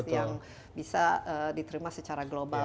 yang bisa diterima secara global